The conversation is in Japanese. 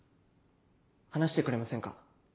話してくれませんか？